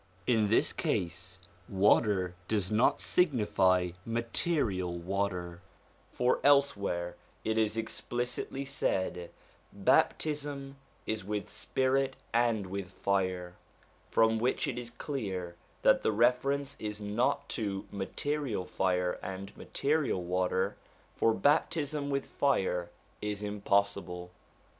In this case water does not signify material water, for elsewhere it is explicitly said baptism is with spirit and with fire ; from which it is clear that the reference is not to material fire and material water, for baptism with fire is impossible.